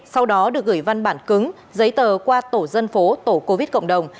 sau đó được gửi văn bản cứng giấy tờ qua tổ dân phố tổ covid cộng đồng